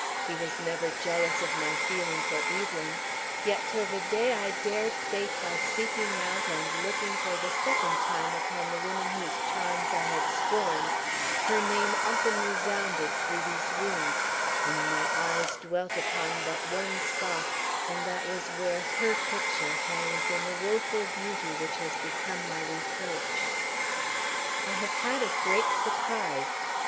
He was never jealous of my feeling for Evelyn. Yet till the day I dared fate by seeking out and looking for the second time upon the woman whose charms I had scorned, her name often resounded through these rooms, and my eyes dwelt upon but one spot, and that was where her picture hangs in the woeful beauty which has become my reproach. "I have had a great surprise.